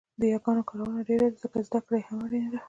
د یاګانو کارونه ډېره ده ځکه يې زده کړه هم اړینه ده